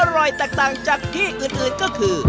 แตกต่างจากที่อื่นก็คือ